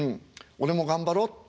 俺も頑張ろうって。